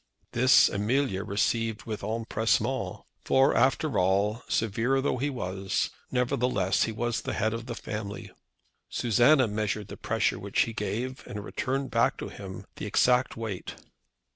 This Amelia received with empressement; for, after all, severe though he was, nevertheless he was the head of the family. Susanna measured the pressure which he gave, and returned back to him the exact weight.